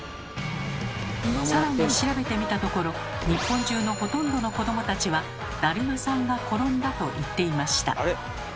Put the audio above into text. さらに調べてみたところ日本中のほとんどの子どもたちは「だるまさんがころんだ」と言っていました。